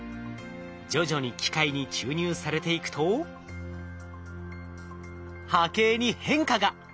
徐々に機械に注入されていくと波形に変化が！